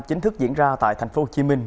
chính thức diễn ra tại thành phố hồ chí minh